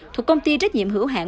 thuộc công ty trách nhiệm hữu hạn